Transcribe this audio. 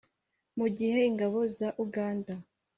mu gihe ingabo za uganda (nra)